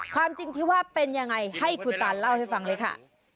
ความจริงที่ว่าเป็นยังไงให้คุณตานเล่าให้ฟังเลยค่ะ